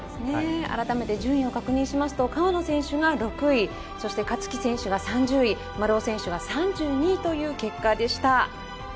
改めて順位を確認しますと川野選手が６位勝木選手が３０位丸尾選手が３２位という結果でした。